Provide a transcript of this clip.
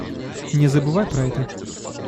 Не забывай про это.